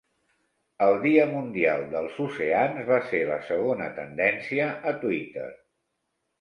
El Dia mundial dels oceans va ser la segona tendència a Twitter.